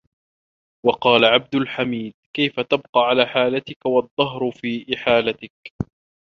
وَقَالَ عَبْدُ الْحَمِيدِ كَيْفَ تَبْقَى عَلَى حَالَتِكَ وَالدَّهْرُ فِي إحَالَتِكَ